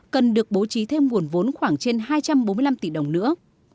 cần được bố trí thêm nguồn vốn khoảng trên hai trăm bốn mươi năm tỷ đồng nữa